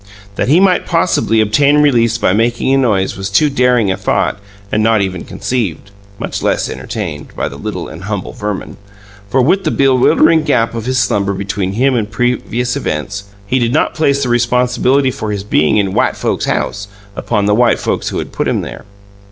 That he might possibly obtain release by making a noise was too daring a thought and not even conceived, much less entertained, by the little and humble Verman. For, with the bewildering gap of his slumber between him and previous events, he did not place the responsibility for his being in White Folks' House upon the white folks who had put him there.